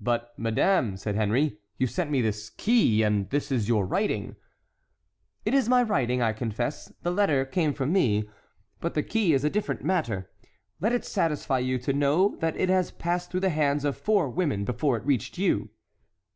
"But, madame," said Henry, "you sent me this key, and this is your writing." "It is my writing, I confess; the letter came from me, but the key is a different matter. Let it satisfy you to know that it has passed through the hands of four women before it reached you."